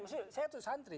maksudnya saya tuh santri